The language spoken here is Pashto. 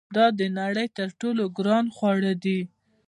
دا د نړۍ تر ټولو ګران خواړه دي.